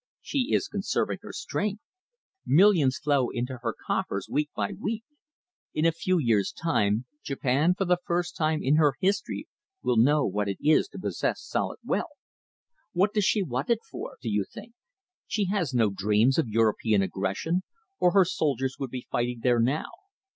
She is conserving her strength. Millions flow into her coffers week by week. In a few years time, Japan, for the first time in her history, will know what it is to possess solid wealth. What does she want it for, do you think? She has no dreams of European aggression, or her soldiers would be fighting there now.